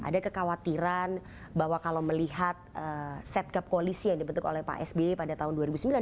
ada kekhawatiran bahwa kalau melihat set gap koalisi yang dibentuk oleh pak sby pada tahun dua ribu sembilan dua ribu empat belas